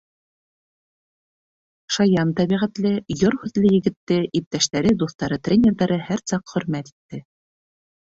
Шаян тәбиғәтле, йор һүҙле егетте иптәштәре, дуҫтары, тренерҙары һәр саҡ хөрмәт итте.